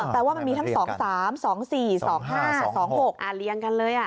แปลว่ามันมีทั้ง๒๓๒๔๒๕๒๖เรียงกันเลย